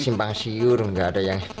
ya simpang siur gak ada yang